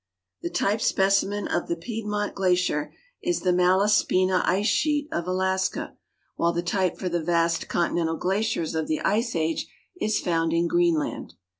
The type specimen of the pie(hnont «hicier is the ^hlla.«piIm ice slieet of Alaska, while the type for the vast eontiiientul n'neiers of the ice age is found in Greenland.